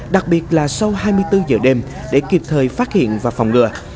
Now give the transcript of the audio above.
đặc biệt là sau hai mươi bốn giờ đêm để kịp thời phát hiện và phòng ngừa